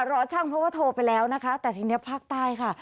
รอช่างเพราะว่าโทรไปแล้วนะคะแต่ทีนี้ภาคใต้ค่ะ